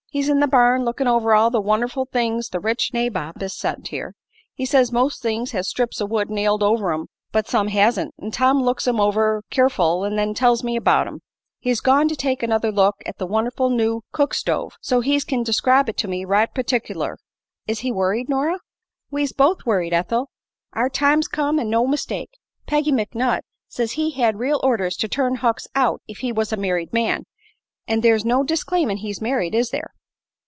"In the barn, lookin' over all the won'erful things the rich nabob has sent here. He says most things has strips o' wood nailed over 'em; but some hasn't; an' Tom looks 'em over keerful an' then tells me 'bout 'em. He's gone to take another look at a won'erful new cook stove, so's he kin describe it to me right pertickler." "Is he worried, Nora?" "We's both worried, Ethel. Our time's come, an' no mistake. Peggy McNutt says as he had real orders to turn Hucks out if he was a married man; an' there's no disclaimin' he's married, is there?